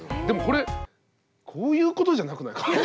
でもこれこういうことじゃなくないか？